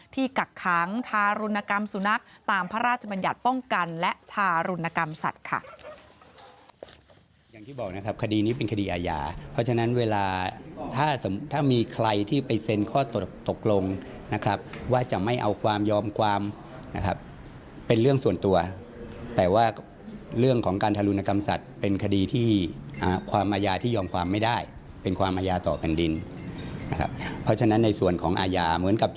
กักค้างทารุณกรรมสุนัขตามพระราชบัญญัติป้องกันและทารุณกรรมสัตว์ค่ะ